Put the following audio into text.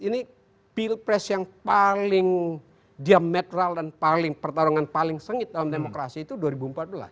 ini pilpres yang paling diametral dan pertarungan paling sengit dalam demokrasi itu dua ribu empat belas